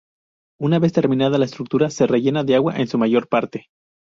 Una vez terminada la estructura se rellena de agua en su mayor parte.